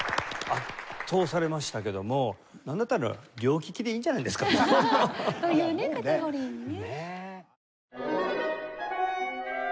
圧倒されましたけどもなんだったら両ききでいいんじゃないですか？というねカテゴリーにね。